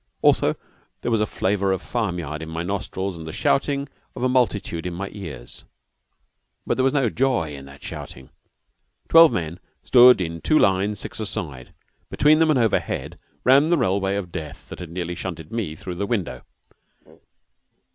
Also there was a flavor of farm yard in my nostrils and the shouting of a multitude in my ears. But there was no joy in that shouting. Twelve men stood in two lines six a side. Between them and overhead ran the railway of death that had nearly shunted me through the window.